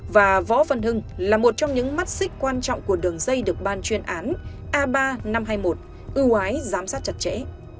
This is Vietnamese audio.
và võ văn hưng là một trong những mắt xích quan trọng của đường dây được ban chuyên án a ba năm trăm hai mươi một ưu ái giám sát chặt chẽ